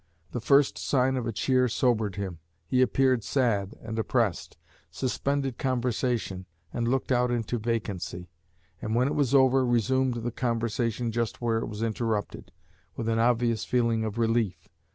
The first sign of a cheer sobered him; he appeared sad and oppressed, suspended conversation, and looked out into vacancy; and when it was over, resumed the conversation just where it was interrupted, with an obvious feeling of relief....